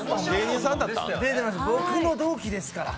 僕の同期ですから。